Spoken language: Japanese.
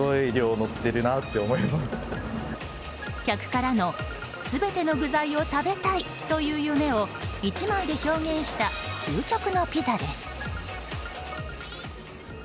客からの全ての具材を食べたいという夢を１枚で表現した究極のピザです。